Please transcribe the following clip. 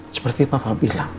seperti papa bilang